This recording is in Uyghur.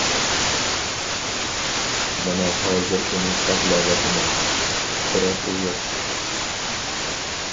مانا ھازىر ئۇنى ساقلاۋاتىمەن. بىراق ئۇ يوق.